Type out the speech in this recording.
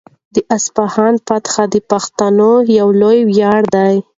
د اصفهان فتحه د پښتنو یو لوی ویاړ دی.